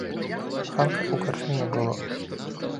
Ганка ў карчме не было.